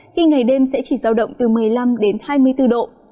khi ngày đêm sẽ chỉ giao động từ một mươi năm đến hai mươi bốn độ